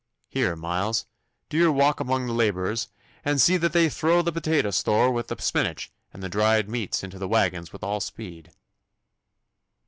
Here, Miles, do you wak the labourers, and zee that they throw the potato store wi' the spinach and the dried meats into the waggons wi' all speed.